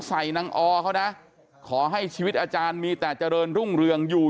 ใส่นางอเขานะขอให้ชีวิตอาจารย์มีแต่เจริญรุ่งเรืองอยู่